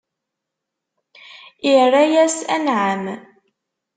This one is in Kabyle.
Irra-yas: Anɛam!